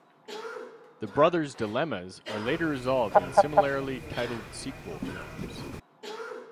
The brothers' dilemmas are later resolved in similarly titled sequel films.